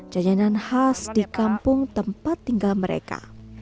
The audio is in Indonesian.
jajanan khas di kampung tempat tinggal mereka